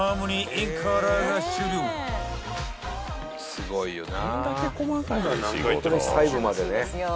すごいよな。